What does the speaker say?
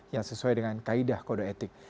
yang sesuai dengan kaedah kode etik